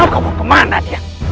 kau mau kemana dia